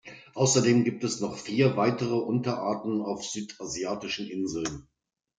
Außerdem gibt es noch vier weitere Unterarten auf südasiatischen Inseln.